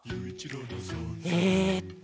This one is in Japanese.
えっと